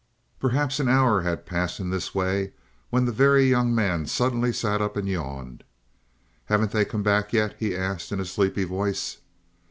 Perhaps an hour passed in this way, when the Very Young Man suddenly sat up and yawned. "Haven't they come back yet?" he asked in a sleepy voice.